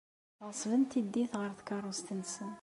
Ɣeṣben tiddit ɣer tkeṛṛust-nsen.